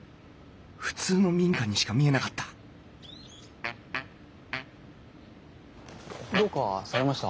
普通の民家にしか見えなかったどうかされました？